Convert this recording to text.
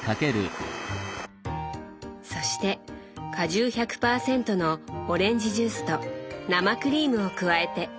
そして果汁１００％のオレンジジュースと生クリームを加えて。